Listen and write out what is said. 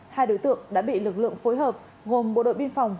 hai đối tượng đã bị lực lượng phối hợp gồm bộ đội biên phòng